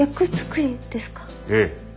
ええ。